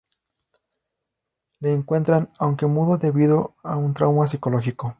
Le encuentran, aunque mudo debido a un trauma psicológico.